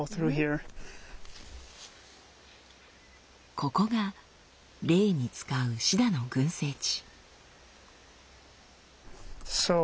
ここがレイに使うシダの群生地。